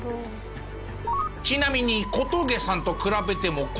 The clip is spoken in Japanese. ちなみに小峠さんと比べてもこんな感じ。